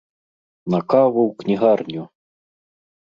На каву ў кнігарню!